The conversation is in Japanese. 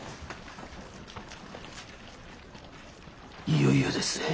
いよいよですぜ。